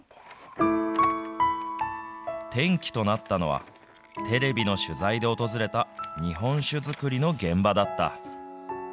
転機となったのは、テレビの取材で訪れた、日本酒造りの現場だった。